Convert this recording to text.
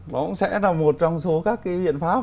nó cũng sẽ là một trong số các cái biện pháp